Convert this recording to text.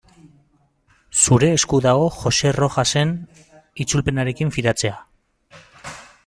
Zure esku dago Joxe Rojasen itzulpenarekin fidatzea.